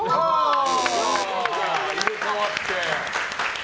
入れ替わって。